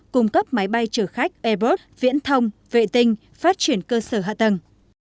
cung cấp máy bay chở khách airbus viễn thông vệ tinh phát triển cơ sở hạ tầng